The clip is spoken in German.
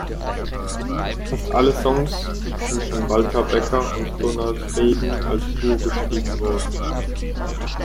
Fast alle Songs sind von Walter Becker und Donald Fagen als Duo geschrieben worden.